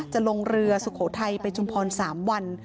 จะลงเรือสุโขทัยไปชุมพร๓วัน